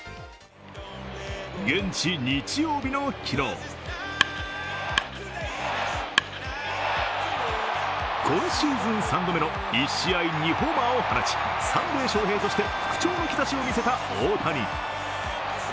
現地日曜日の昨日今シーズン３度目の１試合２ホーマーを放ちサンデー翔平として復調の兆しを見せた大谷。